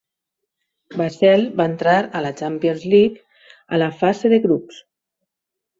Basel va entrar a la Champions League a la fase de grups.